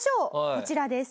こちらです。